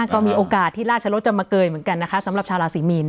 ก็มีโอกาสที่ราชรสจะมาเกยเหมือนกันนะคะสำหรับชาวราศีมีน